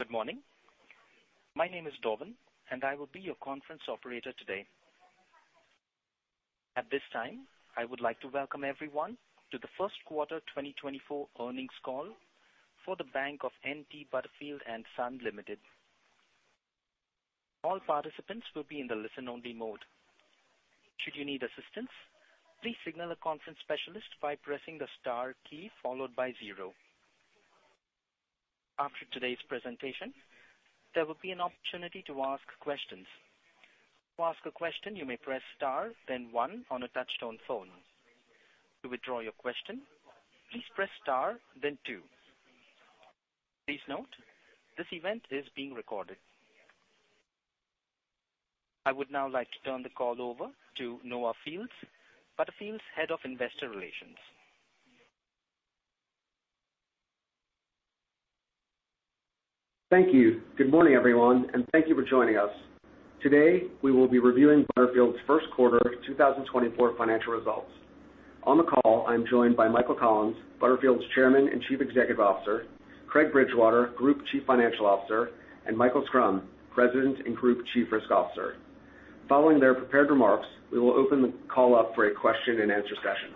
Good morning. My name is Dovan, and I will be your conference operator today. At this time, I would like to welcome everyone to the Q1 2024 earnings call for the Bank of N.T. Butterfield & Son Limited. All participants will be in the listen-only mode. Should you need assistance, please signal a conference specialist by pressing the star key followed by zero. After today's presentation, there will be an opportunity to ask questions. To ask a question, you may press star, then one, on a touch-tone phone. To withdraw your question, please press star, then two. Please note, this event is being recorded. I would now like to turn the call over to Noah Fields, Butterfield's head of investor relations. Thank you. Good morning, everyone, and thank you for joining us. Today, we will be reviewing Butterfield's Q1 2024 financial results. On the call, I'm joined by Michael Collins, Butterfield's Chairman and Chief Executive Officer, Craig Bridgewater, Group Chief Financial Officer, and Michael Schrum, President and Group Chief Risk Officer. Following their prepared remarks, we will open the call up for a Q&A session.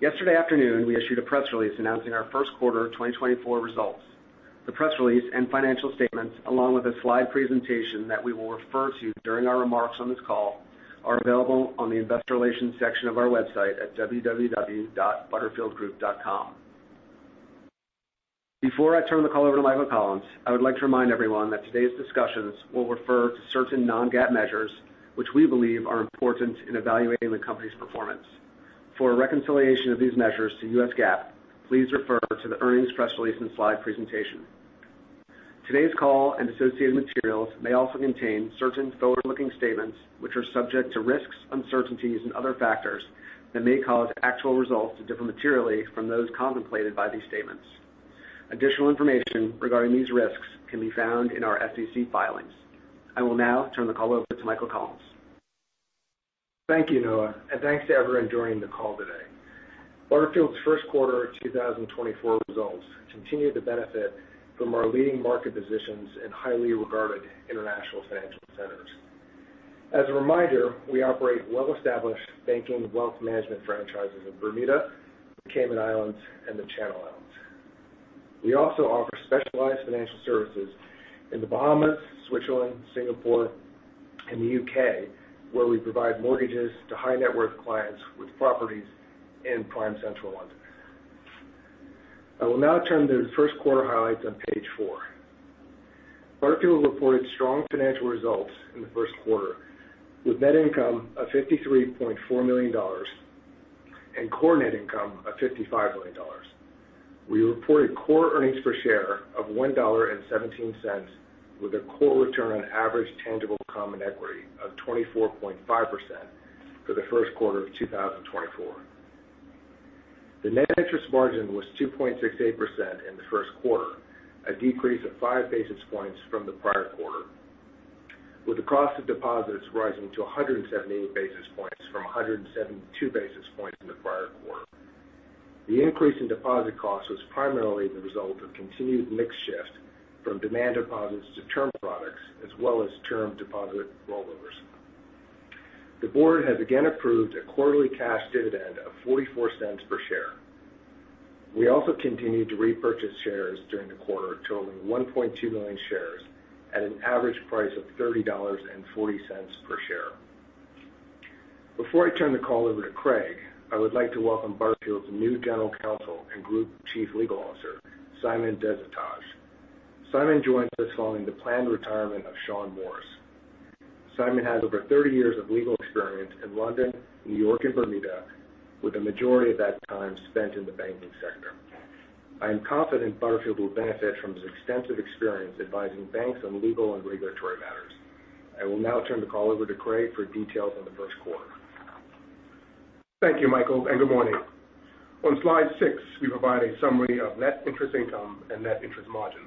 Yesterday afternoon, we issued a press release announcing our Q1 2024 results. The press release and financial statements, along with a slide presentation that we will refer to during our remarks on this call, are available on the investor relations section of our website at www.butterfieldgroup.com. Before I turn the call over to Michael Collins, I would like to remind everyone that today's discussions will refer to certain non-GAAP measures, which we believe are important in evaluating the company's performance. For a reconciliation of these measures to US GAAP, please refer to the earnings press release and slide presentation. Today's call and associated materials may also contain certain forward-looking statements, which are subject to risks, uncertainties, and other factors that may cause actual results to differ materially from those contemplated by these statements. Additional information regarding these risks can be found in our SEC filings. I will now turn the call over to Michael Collins. Thank you, Noah, and thanks to everyone joining the call today. Butterfield's Q1 2024 results continue to benefit from our leading market positions in highly regarded international financial centers. As a reminder, we operate well-established banking wealth management franchises in Bermuda, the Cayman Islands, and the Channel Islands. We also offer specialized financial services in the Bahamas, Switzerland, Singapore, and the UK, where we provide mortgages to high-net-worth clients with properties in prime central London. I will now turn to the Q1 highlights on page four. Butterfield reported strong financial results in the Q1, with net income of $53.4 million and core net income of $55 million. We reported core earnings per share of $1.17, with a core return on average tangible common equity of 24.5% for the Q1 of 2024. The net interest margin was 2.68% in the Q1, a decrease of five basis points from the prior quarter, with the cost of deposits rising to 178 basis points from 172 basis points in the prior quarter. The increase in deposit cost was primarily the result of continued mix shift from demand deposits to term products, as well as term deposit rollovers. The board has again approved a quarterly cash dividend of $0.44 per share. We also continued to repurchase shares during the quarter, totaling 1.2 million shares at an average price of $30.40 per share. Before I turn the call over to Craig, I would like to welcome Butterfield's new General Counsel and Group Chief Legal Officer, Simon Des-Etages. Simon joins us following the planned retirement of Shaun Morris. Simon has over 30 years of legal experience in London, New York, and Bermuda, with a majority of that time spent in the banking sector. I am confident Butterfield will benefit from his extensive experience advising banks on legal and regulatory matters. I will now turn the call over to Craig for details on the Q1. Thank you, Michael, and good morning. On slide 6, we provide a summary of net interest income and net interest margin.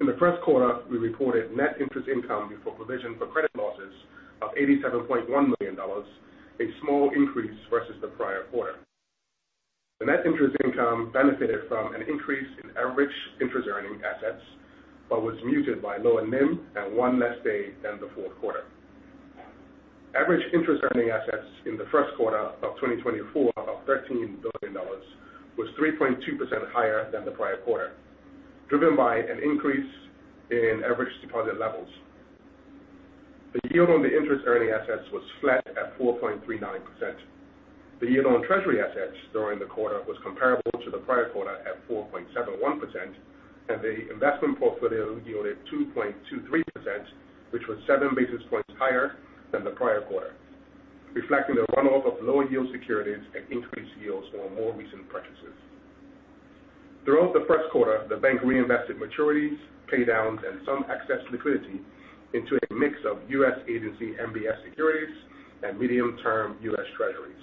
In the Q1, we reported net interest income before provision for credit losses of $87.1 million, a small increase versus the prior quarter. The net interest income benefited from an increase in average interest-earning assets but was muted by lower NIM and one less day than the Q4. Average interest-earning assets in the Q1 of 2024 of $13 billion was 3.2% higher than the prior quarter, driven by an increase in average deposit levels. The yield on the interest-earning assets was flat at 4.39%. The yield on treasury assets during the quarter was comparable to the prior quarter at 4.71%, and the investment portfolio yielded 2.23%, which was seven basis points higher than the prior quarter, reflecting the runoff of lower-yield securities and increased yields on more recent purchases. Throughout the Q1, the bank reinvested maturities, paydowns, and some excess liquidity into a mix of U.S. agency MBS securities and medium-term U.S. treasuries.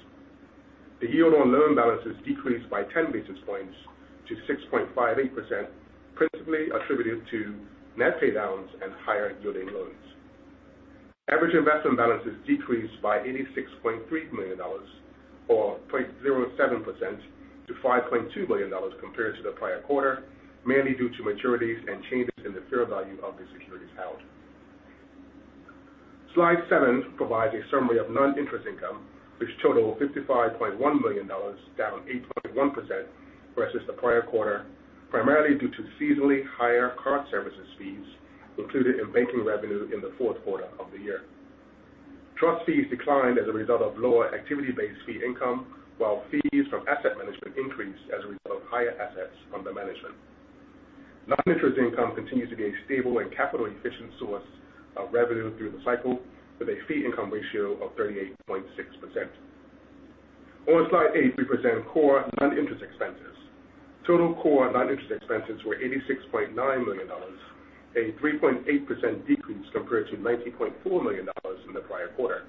The yield on loan balances decreased by 10 basis points to 6.58%, principally attributed to net paydowns and higher-yielding loans. Average investment balances decreased by $86.3 million, or 0.07%, to $5.2 million compared to the prior quarter, mainly due to maturities and changes in the fair value of the securities held. Slide seven provides a summary of non-interest income, which totaled $55.1 million, down 8.1% versus the prior quarter, primarily due to seasonally higher card services fees included in banking revenue in the Q4 of the year. Trust fees declined as a result of lower activity-based fee income, while fees from asset management increased as a result of higher assets under management. Non-interest income continues to be a stable and capital-efficient source of revenue through the cycle, with a fee-income ratio of 38.6%. On slide eight, we present core non-interest expenses. Total core non-interest expenses were $86.9 million, a 3.8% decrease compared to $90.4 million in the prior quarter.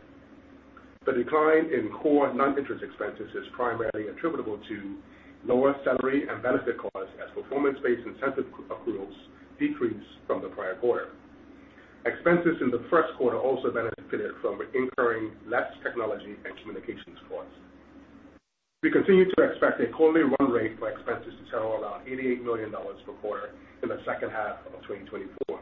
The decline in core non-interest expenses is primarily attributable to lower salary and benefit costs as performance-based incentive accruals decreased from the prior quarter. Expenses in the Q1 also benefited from incurring less technology and communications costs. We continue to expect a quarterly run rate for expenses to settle around $88 million per quarter in the second half of 2024.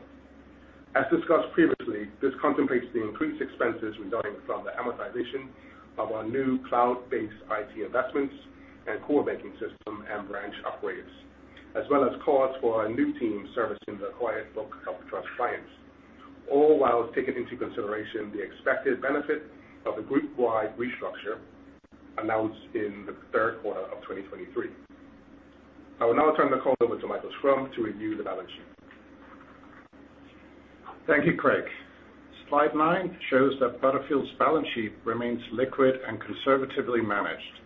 As discussed previously, this contemplates the increased expenses resulting from the amortization of our new cloud-based IT investments and core banking system and branch upgrades, as well as costs for our new team servicing the acquired book of trust clients, all while taking into consideration the expected benefit of a group-wide restructure announced in the Q3 of 2023. I will now turn the call over to Michael Schrum to review the balance sheet. Thank you, Craig. Slide 9 shows that Butterfield's balance sheet remains liquid and conservatively managed.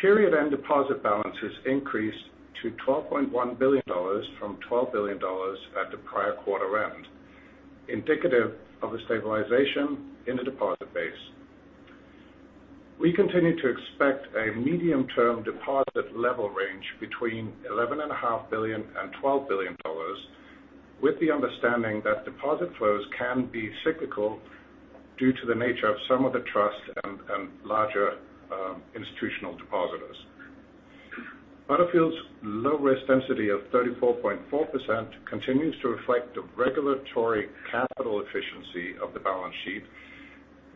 Period-end deposit balances increased to $12.1 billion from $12 billion at the prior quarter end, indicative of a stabilization in the deposit base. We continue to expect a medium-term deposit level range between $11.5 billion and $12 billion, with the understanding that deposit flows can be cyclical due to the nature of some of the trust and larger institutional depositors. Butterfield's low-risk density of 34.4% continues to reflect the regulatory capital efficiency of the balance sheet,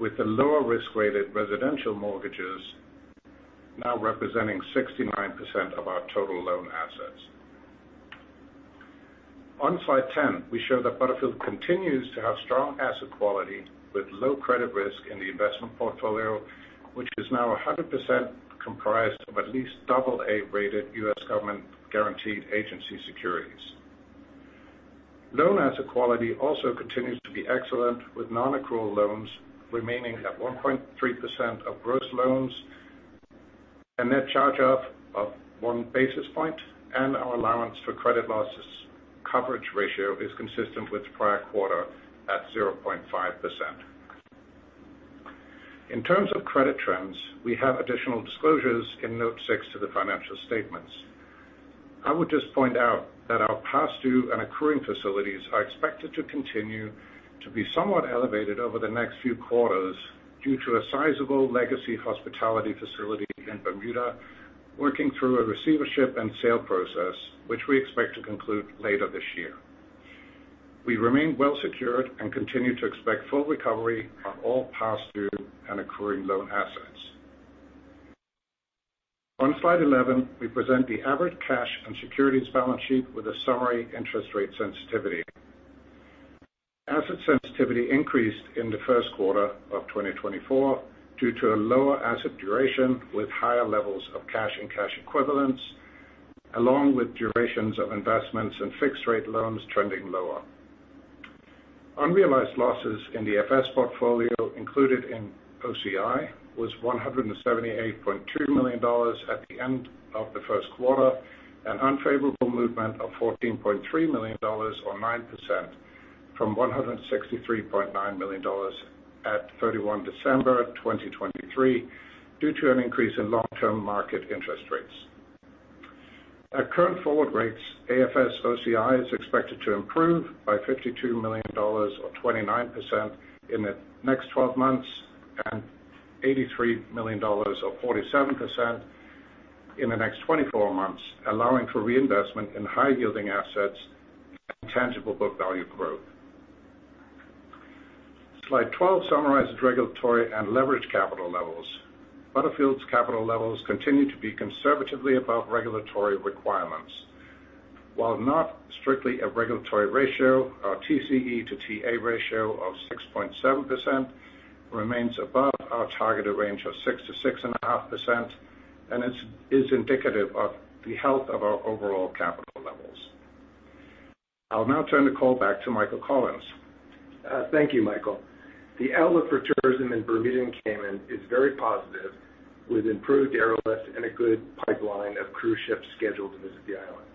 with the lower-risk-rated residential mortgages now representing 69% of our total loan assets. On slide 10, we show that Butterfield continues to have strong asset quality with low credit risk in the investment portfolio, which is now 100% comprised of at least AA-rated U.S. government-guaranteed agency securities. Loan asset quality also continues to be excellent, with non-accrual loans remaining at 1.3% of gross loans and net charge-off of 1 basis point, and our allowance for credit losses coverage ratio is consistent with prior quarter at 0.5%. In terms of credit trends, we have additional disclosures in note 6 to the financial statements. I would just point out that our past-due and accruing facilities are expected to continue to be somewhat elevated over the next few quarters due to a sizable legacy hospitality facility in Bermuda working through a receivership and sale process, which we expect to conclude later this year. We remain well-secured and continue to expect full recovery on all past-due and accruing loan assets. On slide 11, we present the average cash and securities balance sheet with a summary interest rate sensitivity. Asset sensitivity increased in the Q1 of 2024 due to a lower asset duration with higher levels of cash and cash equivalents, along with durations of investments and fixed-rate loans trending lower. Unrealized losses in the AFS portfolio, included in OCI, was $178.2 million at the end of the Q1, an unfavorable movement of $14.3 million or 9% from $163.9 million at December 31, 2023 due to an increase in long-term market interest rates. At current forward rates, AFS OCI is expected to improve by $52 million or 29% in the next 12 months and $83 million or 47% in the next 24 months, allowing for reinvestment in high-yielding assets and tangible book value growth. Slide 12 summarizes regulatory and leverage capital levels. Butterfield's capital levels continue to be conservatively above regulatory requirements. While not strictly a regulatory ratio, our TCE to TA ratio of 6.7% remains above our targeted range of 6%-6.5%, and it is indicative of the health of our overall capital levels. I will now turn the call back to Michael Collins. Thank you, Michael. The outlook for tourism in Bermuda and Cayman is very positive, with improved airlifts and a good pipeline of cruise ships scheduled to visit the island.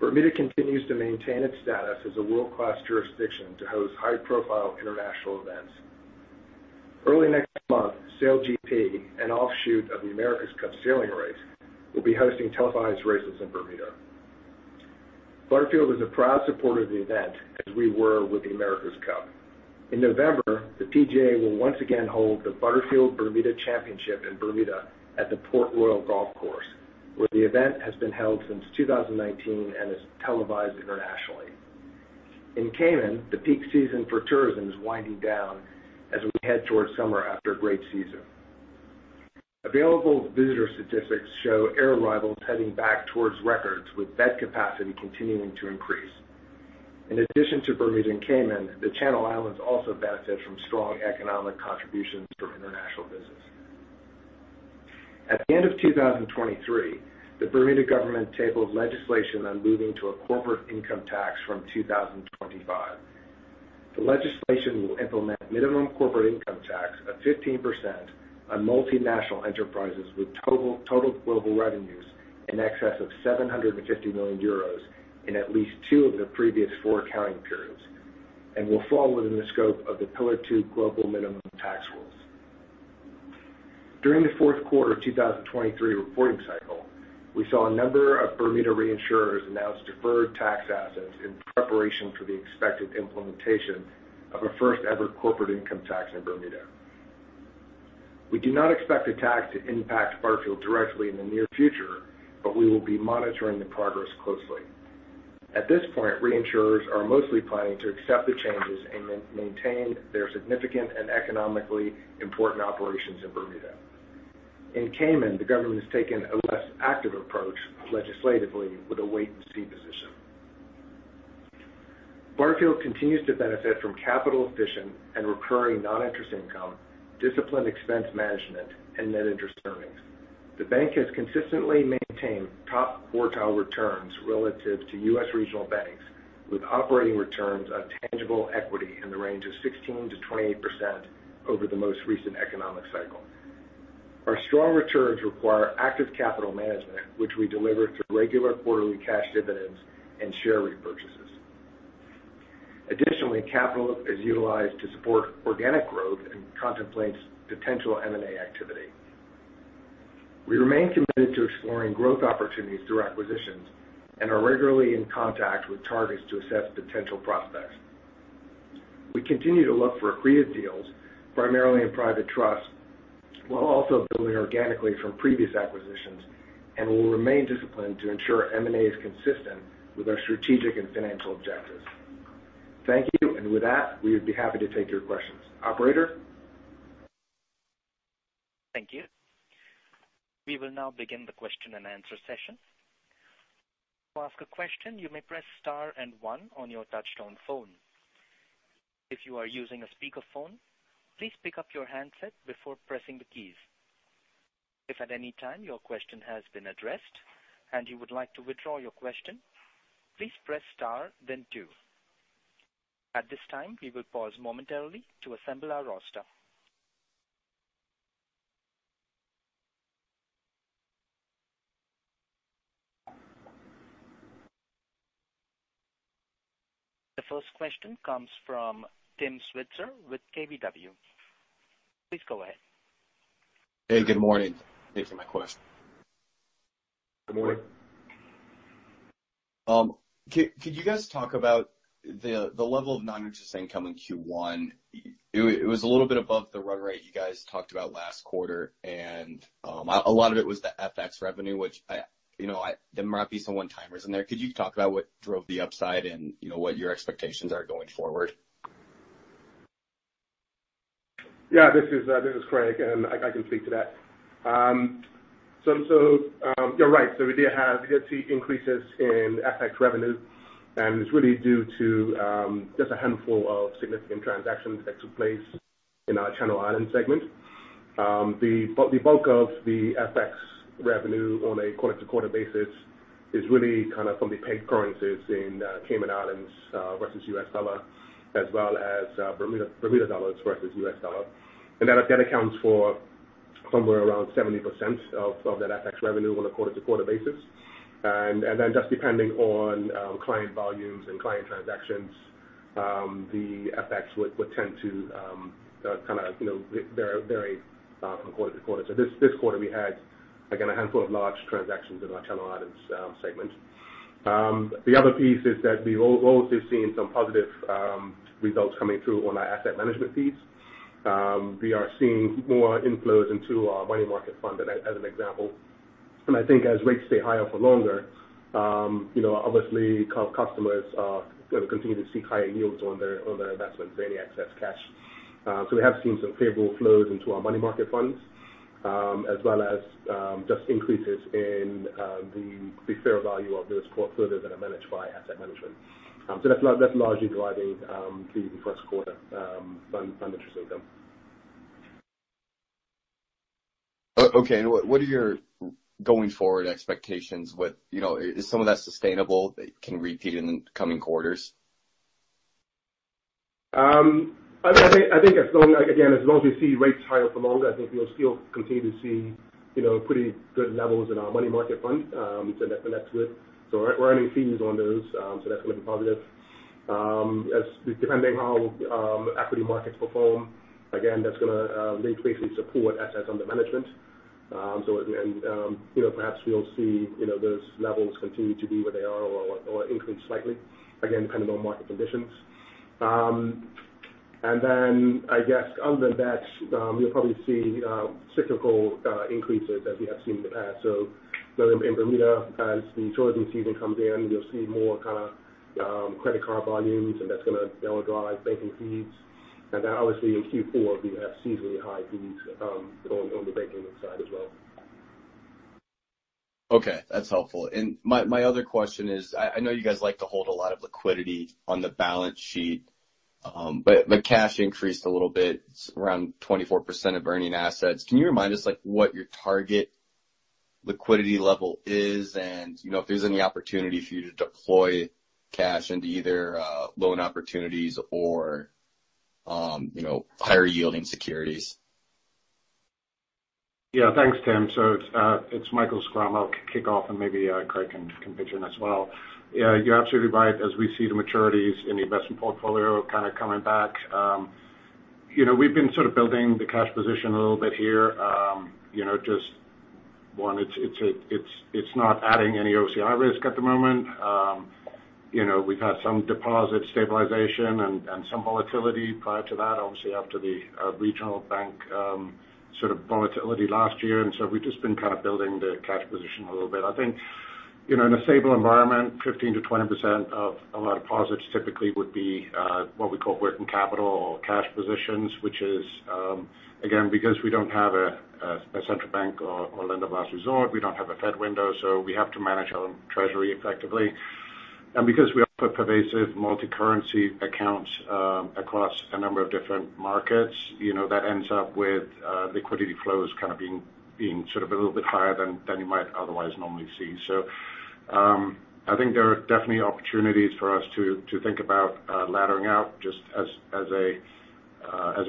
Bermuda continues to maintain its status as a world-class jurisdiction to host high-profile international events. Early next month, SailGP, an offshoot of the America's Cup sailing race, will be hosting televised races in Bermuda. Butterfield is a proud supporter of the event as we were with the America's Cup. In November, the PGA will once again hold the Butterfield Bermuda Championship in Bermuda at the Port Royal Golf Course, where the event has been held since 2019 and is televised internationally. In Cayman, the peak season for tourism is winding down as we head toward summer after a great season. Available visitor statistics show air arrivals heading back towards records, with bed capacity continuing to increase. In addition to Bermuda and Cayman, the Channel Islands also benefit from strong economic contributions from international business. At the end of 2023, the Bermuda government tabled legislation on moving to a corporate income tax from 2025. The legislation will implement minimum corporate income tax of 15% on multinational enterprises with total global revenues in excess of 750 million euros in at least two of the previous four accounting periods and will fall within the scope of the Pillar Two global minimum tax rules. During the Q4 of 2023 reporting cycle, we saw a number of Bermuda reinsurers announce deferred tax assets in preparation for the expected implementation of a first-ever corporate income tax in Bermuda. We do not expect the tax to impact Butterfield directly in the near future, but we will be monitoring the progress closely. At this point, reinsurers are mostly planning to accept the changes and maintain their significant and economically important operations in Bermuda. In Cayman, the government has taken a less active approach legislatively with a wait-and-see position. Butterfield continues to benefit from capital efficient and recurring non-interest income, disciplined expense management, and net interest earnings. The bank has consistently maintained top quartile returns relative to U.S. regional banks, with operating returns on tangible equity in the range of 16%-28% over the most recent economic cycle. Our strong returns require active capital management, which we deliver through regular quarterly cash dividends and share repurchases. Additionally, capital is utilized to support organic growth and contemplates potential M&A activity. We remain committed to exploring growth opportunities through acquisitions and are regularly in contact with targets to assess potential prospects. We continue to look for accretive deals, primarily in private trusts, while also building organically from previous acquisitions and will remain disciplined to ensure M&A is consistent with our strategic and financial objectives. Thank you, and with that, we would be happy to take your questions. Operator? Thank you. We will now begin the Q&A session. To ask a question, you may press star and one on your touch-tone phone. If you are using a speakerphone, please pick up your handset before pressing the keys. If at any time your question has been addressed and you would like to withdraw your question, please press star, then two. At this time, we will pause momentarily to assemble our roster. The first question comes from Tim Switzer with KBW. Please go ahead. Hey, good morning. Thanks for my question. Good morning. Could you guys talk about the level of non-interest income in Q1? It was a little bit above the run rate you guys talked about last quarter, and a lot of it was the FX revenue, which there might be some one-timers in there. Could you talk about what drove the upside and what your expectations are going forward? Yeah, this is Craig, and I can speak to that. So you're right. So we did see increases in FX revenue, and it's really due to just a handful of significant transactions that took place in our Channel Islands segment. The bulk of the FX revenue on a quarter-to-quarter basis is really kind of from the pegged currencies in Cayman Islands versus U.S. dollar, as well as Bermuda dollars versus U.S. dollar. And that accounts for somewhere around 70% of that FX revenue on a quarter-to-quarter basis. And then just depending on client volumes and client transactions, the FX would tend to kind of vary from quarter to quarter. So this quarter, we had, again, a handful of large transactions in our Channel Islands segment. The other piece is that we've also seen some positive results coming through on our asset management fees. We are seeing more inflows into our money market fund, as an example. I think as rates stay higher for longer, obviously, customers continue to seek higher yields on their investments or any excess cash. We have seen some favorable flows into our money market funds, as well as just increases in the fair value of those portfolios that are managed by asset management. That's largely driving the Q1 non-interest income. Okay. What are your going forward expectations? Is some of that sustainable that can repeat in the coming quarters? I think, again, as long as we see rates higher for longer, I think we'll still continue to see pretty good levels in our money market fund. So that's the next bit. So we're earning fees on those, so that's going to be positive. Depending on how equity markets perform, again, that's going to likely support assets under management. And perhaps we'll see those levels continue to be where they are or increase slightly, again, depending on market conditions. And then, I guess, other than that, you'll probably see cyclical increases as we have seen in the past. So in Bermuda, as the tourism season comes in, we'll see more kind of credit card volumes, and that's going to drive banking fees. And then, obviously, in Q4, we have seasonally high fees on the banking side as well. Okay. That's helpful. And my other question is, I know you guys like to hold a lot of liquidity on the balance sheet, but cash increased a little bit, around 24% of earning assets. Can you remind us what your target liquidity level is and if there's any opportunity for you to deploy cash into either loan opportunities or higher-yielding securities? Yeah, thanks, Tim. So it's Michael Schrum. I'll kick off, and maybe Craig can pitch in as well. Yeah, you're absolutely right. As we see the maturities in the investment portfolio kind of coming back, we've been sort of building the cash position a little bit here. Just one, it's not adding any OCI risk at the moment. We've had some deposit stabilization and some volatility prior to that, obviously, after the regional bank sort of volatility last year. And so we've just been kind of building the cash position a little bit. I think in a stable environment, 15%-20% of our deposits typically would be what we call working capital or cash positions, which is, again, because we don't have a central bank or lender of last resort, we don't have a Fed window, so we have to manage our treasury effectively. Because we offer pervasive multi-currency accounts across a number of different markets, that ends up with liquidity flows kind of being sort of a little bit higher than you might otherwise normally see. So I think there are definitely opportunities for us to think about laddering out. Just as a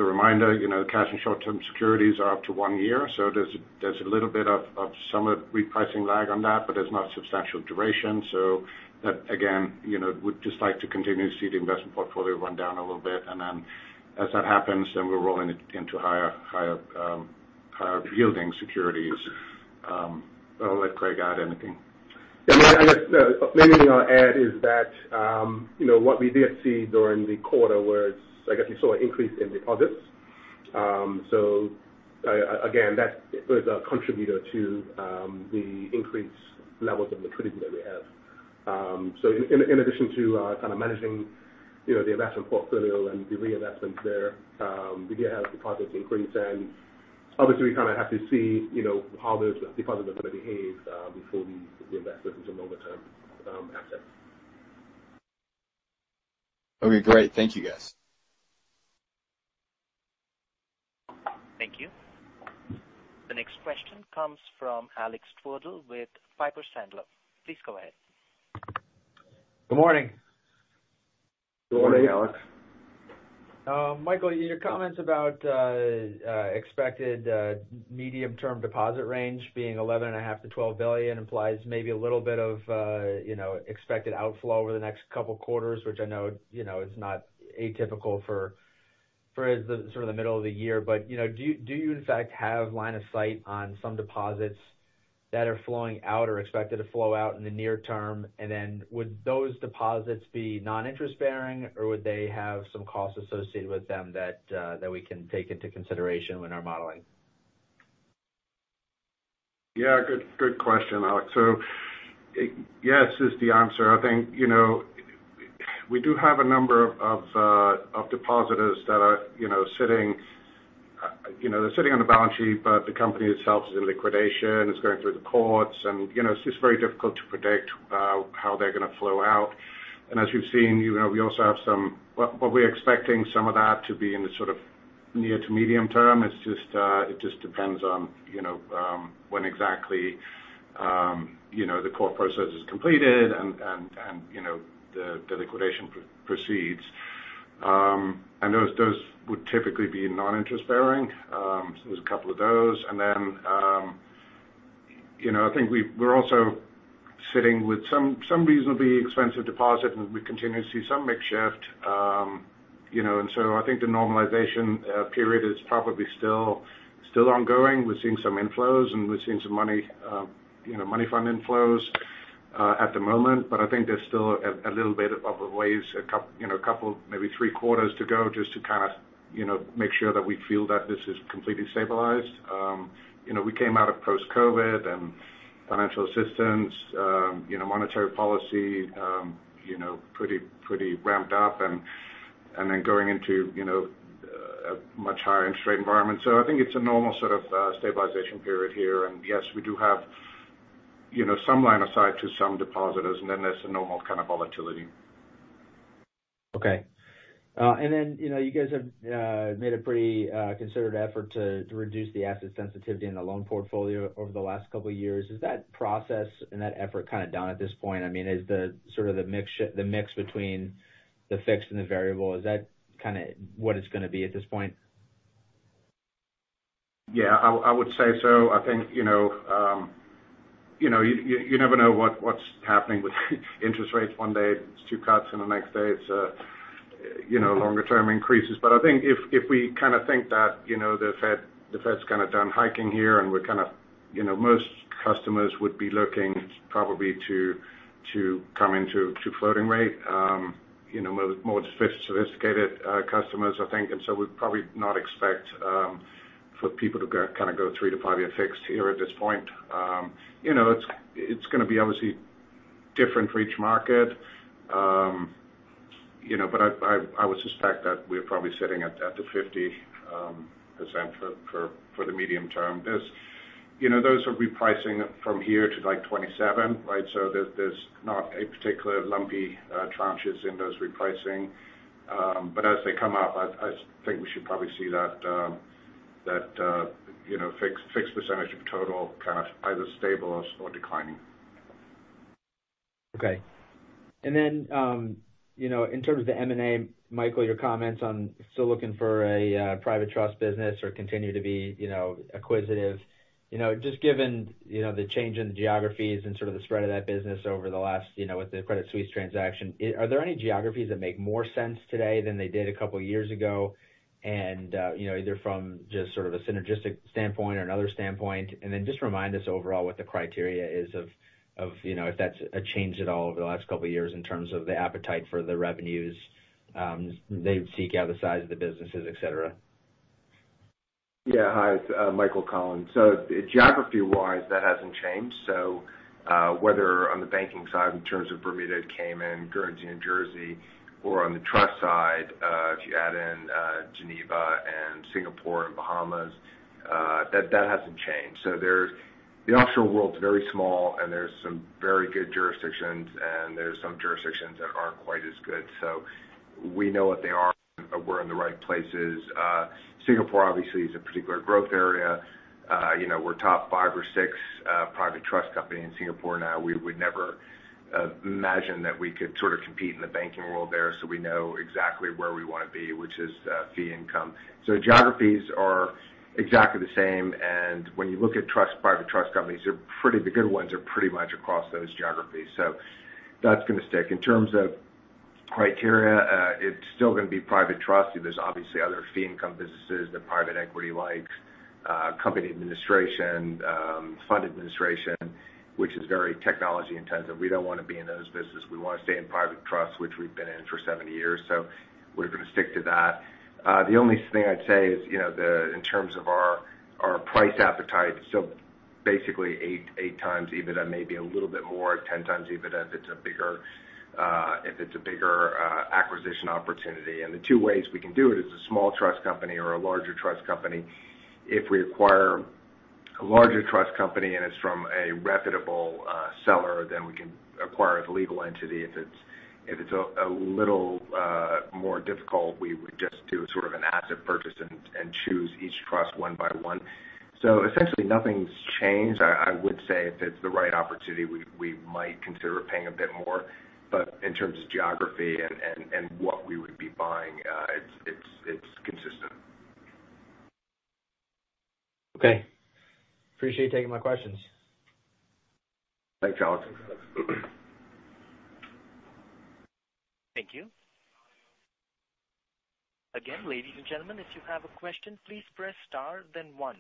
reminder, cash and short-term securities are up to one year. So there's a little bit of some repricing lag on that, but there's not substantial duration. So that, again, would just like to continue to see the investment portfolio run down a little bit. And then as that happens, then we'll roll into higher-yielding securities. But I'll let Craig add anything. Yeah, I guess the main thing I'll add is that what we did see during the quarter was, I guess, you saw an increase in deposits. So again, that was a contributor to the increased levels of liquidity that we have. So in addition to kind of managing the investment portfolio and the reinvestments there, we did have deposits increase. And obviously, we kind of have to see how those deposits are going to behave before we invest those into longer-term assets. Okay. Great. Thank you, guys. Thank you. The next question comes from Alex Twerdahl with Piper Sandler. Please go ahead. Good morning. Good morning, Alex. Michael, your comments about expected medium-term deposit range being $11.5 billion-$12 billion implies maybe a little bit of expected outflow over the next couple of quarters, which I know is not atypical for sort of the middle of the year. But do you, in fact, have line of sight on some deposits that are flowing out or expected to flow out in the near term? And then would those deposits be non-interest-bearing, or would they have some costs associated with them that we can take into consideration when our modeling? Yeah, good question, Alex. So yes is the answer. I think we do have a number of depositors that are sitting on the balance sheet, but the company itself is in liquidation, is going through the courts, and it's just very difficult to predict how they're going to flow out. And as we've seen, we also have somewhat what we're expecting some of that to be in the sort of near-to medium-term. It just depends on when exactly the court process is completed and the liquidation proceeds. Those would typically be non-interest-bearing. So there's a couple of those. And then I think we're also sitting with some reasonably expensive deposits, and we continue to see some mix shift. So I think the normalization period is probably still ongoing. We're seeing some inflows, and we're seeing some money fund inflows at the moment. But I think there's still a little bit of a ways a couple, maybe three quarters to go just to kind of make sure that we feel that this is completely stabilized. We came out of post-COVID, and financial assistance, monetary policy pretty ramped up, and then going into a much higher interest rate environment. So I think it's a normal sort of stabilization period here. And yes, we do have some line of sight to some depositors, and then there's a normal kind of volatility. Okay. And then you guys have made a pretty considerate effort to reduce the asset sensitivity in the loan portfolio over the last couple of years. Is that process and that effort kind of done at this point? I mean, is the sort of the mix between the fixed and the variable, is that kind of what it's going to be at this point? Yeah, I would say so. I think you never know what's happening with interest rates. One day, it's 2 cuts, and the next day, it's longer-term increases. But I think if we kind of think that the Fed's kind of done hiking here, and we're kind of most customers would be looking probably to come into floating rate, more sophisticated customers, I think. And so we'd probably not expect for people to kind of go three to five year fixed here at this point. It's going to be, obviously, different for each market. But I would suspect that we're probably sitting at the 50% for the medium term. Those are repricing from here to 2027, right? So there's not a particular lumpy tranches in those repricing. But as they come up, I think we should probably see that fixed percentage of total kind of either stable or declining. Okay. And then in terms of the M&A, Michael, your comments on still looking for a private trust business or continue to be acquisitive. Just given the change in the geographies and sort of the spread of that business over the last with the Credit Suisse transaction, are there any geographies that make more sense today than they did a couple of years ago, either from just sort of a synergistic standpoint or another standpoint? And then just remind us overall what the criteria is of if that's a change at all over the last couple of years in terms of the appetite for the revenues they seek out, the size of the businesses, etc. Yeah, hi. It's Michael Collins. So geography-wise, that hasn't changed. So whether on the banking side in terms of Bermuda, Cayman, Guernsey, Jersey, or on the trust side, if you add in Geneva and Singapore and Bahamas, that hasn't changed. So the offshore world's very small, and there's some very good jurisdictions, and there's some jurisdictions that aren't quite as good. So we know what they are, and we're in the right places. Singapore, obviously, is a particular growth area. We're top five or six private trust companies in Singapore now. We would never imagine that we could sort of compete in the banking world there. So we know exactly where we want to be, which is fee income. So geographies are exactly the same. And when you look at private trust companies, the good ones are pretty much across those geographies. So that's going to stick. In terms of criteria, it's still going to be private trust. There's obviously other fee income businesses that private equity likes, company administration, fund administration, which is very technology-intensive. We don't want to be in those businesses. We want to stay in private trust, which we've been in for 70 years. So we're going to stick to that. The only thing I'd say is in terms of our price appetite, so basically 8x EBITDA, maybe a little bit more, 10x EBITDA if it's a bigger acquisition opportunity. And the two ways we can do it is a small trust company or a larger trust company. If we acquire a larger trust company and it's from a reputable seller, then we can acquire it as a legal entity. If it's a little more difficult, we would just do sort of an asset purchase and choose each trust one by one. So essentially, nothing's changed. I would say if it's the right opportunity, we might consider paying a bit more. But in terms of geography and what we would be buying, it's consistent. Okay. Appreciate you taking my questions. Thanks, Alex. Thank you. Again, ladies and gentlemen, if you have a question, please press star, then one.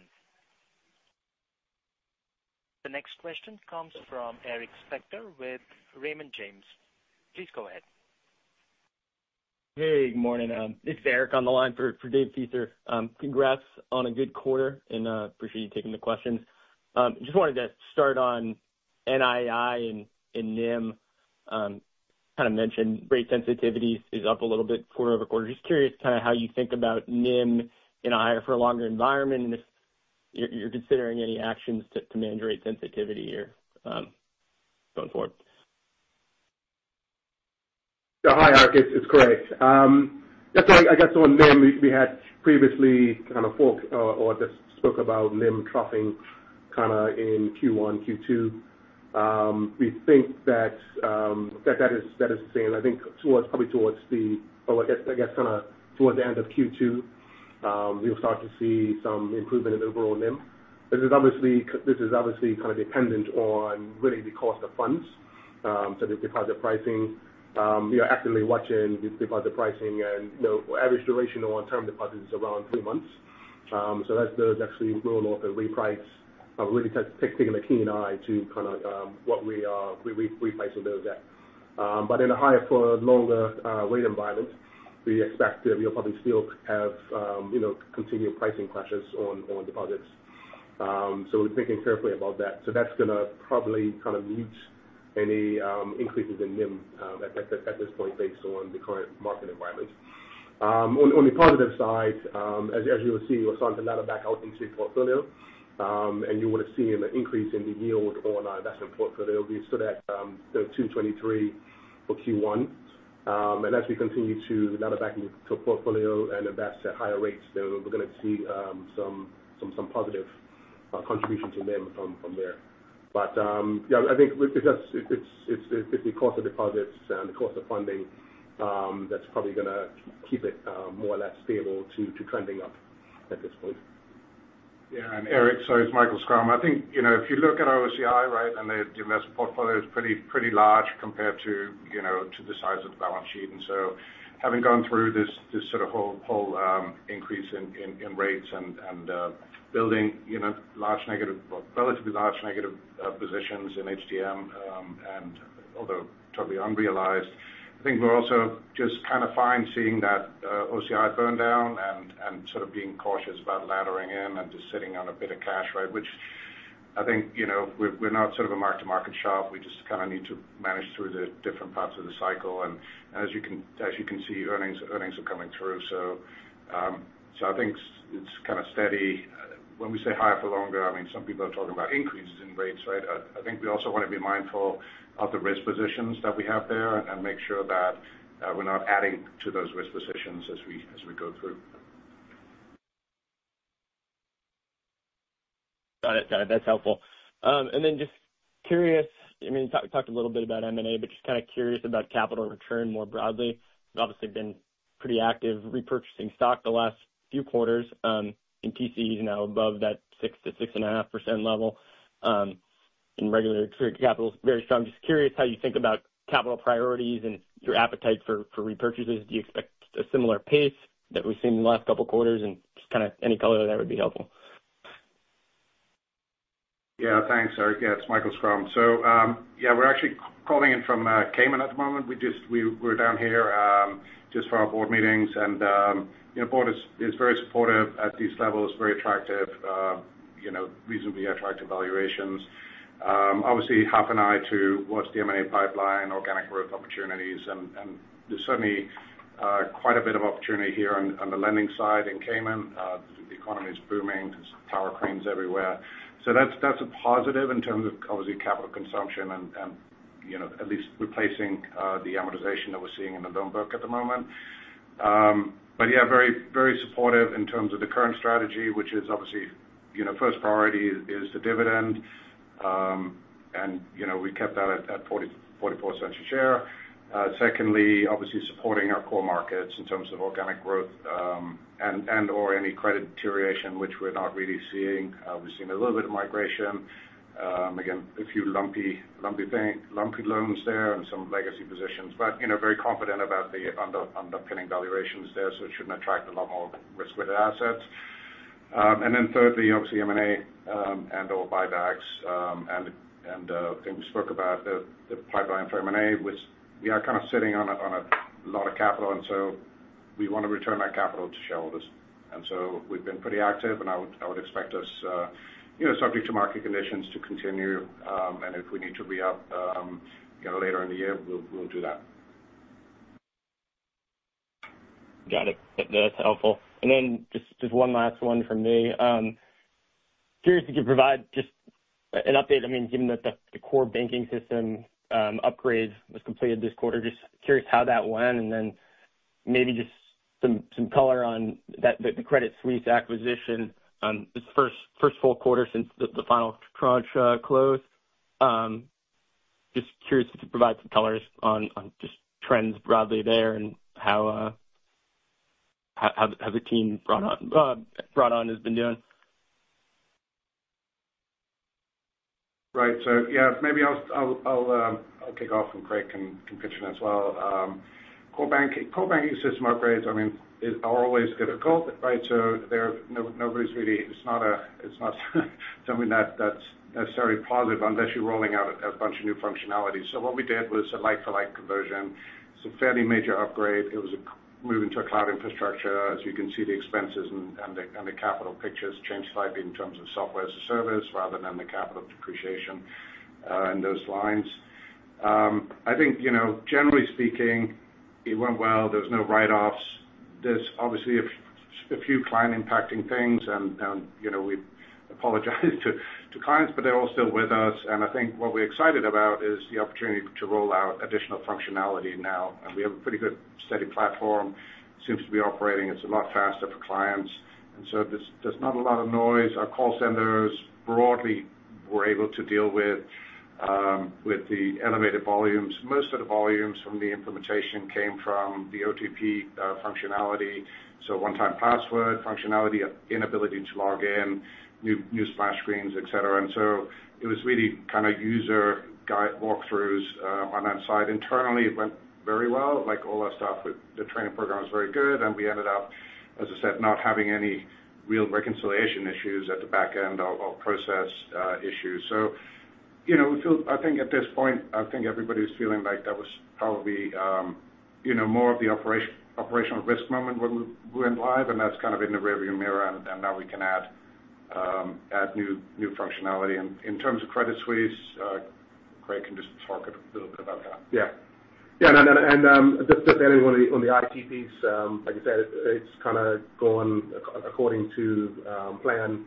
The next question comes from Eric Spector with Raymond James. Please go ahead. Hey, good morning. It's Eric on the line for David Feaster. Congrats on a good quarter, and appreciate you taking the questions. Just wanted to start on NII and NIM. Kind of mentioned rate sensitivity is up a little bit, quarter-over-quarter. Just curious kind of how you think about NIM in a higher-for-a-longer environment and if you're considering any actions to manage rate sensitivity here going forward. Yeah, hi, Eric. It's Craig. I guess on NIM, we had previously kind of spoke about NIM troughing kind of in Q1, Q2. We think that that is the same. I think probably towards the end of Q2, we'll start to see some improvement in overall NIM. This is obviously kind of dependent on really the cost of funds, so the deposit pricing. You're actively watching deposit pricing, and average duration of long-term deposits is around three months. So as those actually roll off and reprice, I'm really taking a keen eye to kind of what we are repricing those at. But in a higher-for-a-longer rate environment, we expect that we'll probably still have continual pricing pressures on deposits. So we're thinking carefully about that. So that's going to probably kind of mute any increases in NIM at this point based on the current market environment. On the positive side, as you will see, we're starting to ladder back out into your portfolio, and you would have seen an increase in the yield on our investment portfolio. We stood at 2.23% for Q1. And as we continue to ladder back into the portfolio and invest at higher rates, then we're going to see some positive contributions in NIM from there. But yeah, I think it's the cost of deposits and the cost of funding that's probably going to keep it more or less stable to trending up at this point. Yeah. And Eric, so it's Michael Schrum. I think if you look at OCI, right, and the investment portfolio, it's pretty large compared to the size of the balance sheet. And so having gone through this sort of whole increase in rates and building relatively large negative positions in HDM, although totally unrealized, I think we're also just kind of fine seeing that OCI burn down and sort of being cautious about laddering in and just sitting on a bit of cash, right, which I think we're not sort of a mark-to-market shop. We just kind of need to manage through the different parts of the cycle. And as you can see, earnings are coming through. So I think it's kind of steady. When we say higher-for-a-longer, I mean, some people are talking about increases in rates, right? I think we also want to be mindful of the risk positions that we have there and make sure that we're not adding to those risk positions as we go through. Got it. That's helpful. And then just curious, I mean, we talked a little bit about M&A, but just kind of curious about capital return more broadly. We've obviously been pretty active repurchasing stock the last few quarters. In TCEs, now above that 6%-6.5% level in regular capital, very strong. Just curious how you think about capital priorities and your appetite for repurchases. Do you expect a similar pace that we've seen in the last couple of quarters? And just kind of any color of that would be helpful. Yeah, thanks, Eric. Yeah, it's Michael Schrum. So yeah, we're actually calling in from Cayman at the moment. We're down here just for our board meetings. And the board is very supportive at these levels, very attractive, reasonably attractive valuations. Obviously, half an eye to what's the M&A pipeline, organic growth opportunities. And there's certainly quite a bit of opportunity here on the lending side in Cayman. The economy's booming. There's tower cranes everywhere. So that's a positive in terms of, obviously, capital consumption and at least replacing the amortization that we're seeing in the loan book at the moment. But yeah, very supportive in terms of the current strategy, which is obviously first priority is the dividend. And we kept that at $0.44 a share. Secondly, obviously, supporting our core markets in terms of organic growth and/or any credit deterioration, which we're not really seeing. We've seen a little bit of migration. Again, a few lumpy loans there and some legacy positions, but very confident about the underpinning valuations there. So it shouldn't attract a lot more risk-weighted assets. And then thirdly, obviously, M&A and/or buybacks. And I think we spoke about the pipeline for M&A, which we are kind of sitting on a lot of capital. And so we want to return that capital to shareholders. And so we've been pretty active, and I would expect us, subject to market conditions, to continue. And if we need to re-up later in the year, we'll do that. Got it. That's helpful. And then just one last one from me. Curious if you could provide just an update. I mean, given that the core banking system upgrade was completed this quarter, just curious how that went. And then maybe just some color on the Credit Suisse acquisition, this first full quarter since the final tranche closed. Just curious if you could provide some colors on just trends broadly there and how the team brought on has been doing. Right. So yeah, maybe I'll kick off, and Craig can pitch in as well. Core banking system upgrades, I mean, are always difficult, right? So it's not something that's necessarily positive unless you're rolling out a bunch of new functionalities. So what we did was a like-for-like conversion. It's a fairly major upgrade. It was a move into a cloud infrastructure. As you can see, the expenses and the capital pictures changed slightly in terms of software as a service rather than the capital depreciation and those lines. I think, generally speaking, it went well. There was no write-offs. There's obviously a few client-impacting things, and we apologize to clients, but they're all still with us. And I think what we're excited about is the opportunity to roll out additional functionality now. And we have a pretty good, steady platform. It seems to be operating. It's a lot faster for clients. So there's not a lot of noise. Our call centers, broadly, were able to deal with the elevated volumes. Most of the volumes from the implementation came from the OTP functionality, so one-time password functionality, inability to log in, new splash screens, etc. So it was really kind of user-guided walkthroughs on that side. Internally, it went very well. All our stuff with the training program was very good. We ended up, as I said, not having any real reconciliation issues at the back end or process issues. So I think at this point, I think everybody's feeling like that was probably more of the operational risk moment when we went live. That's kind of in the rearview mirror. Now we can add new functionality. In terms of Credit Suisse, Craig can just talk a little bit about that. Yeah. Yeah. And just adding on the IT piece, like I said, it's kind of gone according to plan.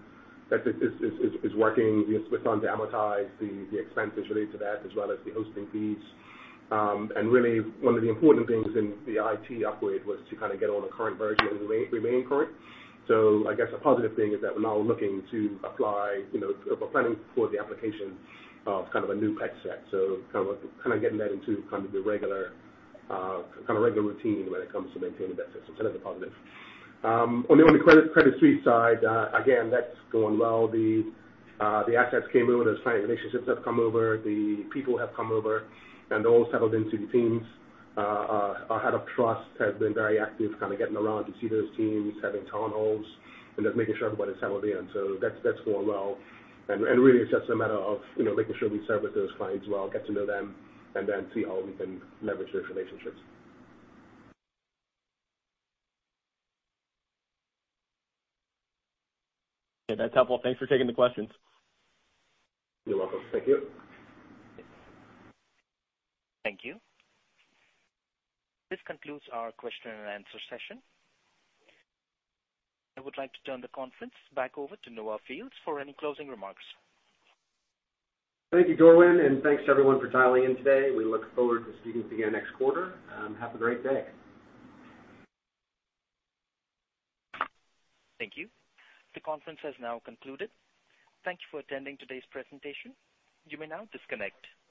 It's working. We're trying to amortize the expenses related to that as well as the hosting fees. And really, one of the important things in the IT upgrade was to kind of get on a current version and remain current. So I guess a positive thing is that we're now looking to apply. We're planning for the application of kind of a new patch set. So kind of getting that into kind of the regular routine when it comes to maintaining that system. So that's a positive. On the Credit Suisse side, again, that's going well. The assets came over. Those client relationships have come over. The people have come over, and they're all settled into the teams. Our head of trust has been very active kind of getting around to see those teams, having town halls, and just making sure everybody's settled in. So that's going well. And really, it's just a matter of making sure we service those clients well, get to know them, and then see how we can leverage those relationships. Yeah, that's helpful. Thanks for taking the questions. You're welcome. Thank you. Thank you. This concludes our Q&A session. I would like to turn the conference back over to Noah Fields for any closing remarks. Thank you, Dovan, and thanks to everyone for dialing in today. We look forward to speaking to you again next quarter. Have a great day. Thank you. The conference has now concluded. Thank you for attending today's presentation. You may now disconnect.